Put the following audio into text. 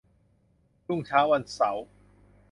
รุ่งเช้าวันเสาร์